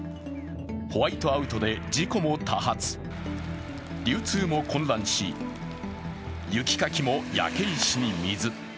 ホワイトアウトで事故も多発、流通も混乱し、雪かきも、焼け石に水。